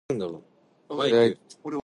ブレーキ踏んでも大好きだからさ